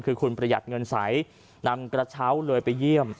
คือคุณประหยัดเงินใสนำกระเช้าเลยไปเยี่ยม